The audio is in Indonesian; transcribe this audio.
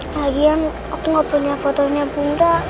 lagian aku gak punya fotonya bunda